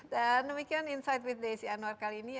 dan demikian insight with desy anwar kali ini